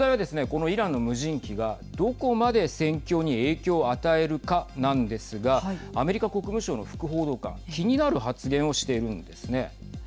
このイランの無人機がどこまで戦況に影響を与えるかなんですがアメリカ国務省の副報道官気になる発言をしているんですね。